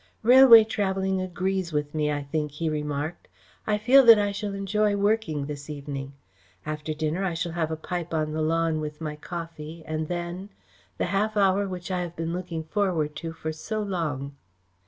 "Railway travelling agrees with me, I think," he remarked. "I feel that I shall enjoy working this evening. After dinner I shall have a pipe on the lawn with my coffee, and then the half hour which I have been looking forward to for so long."